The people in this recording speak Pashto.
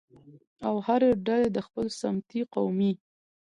او هرې ډلې د خپل سمتي، قومي